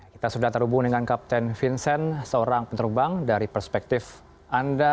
kita sudah terhubung dengan kapten vincent seorang penerbang dari perspektif anda